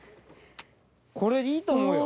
これいいと思うよ。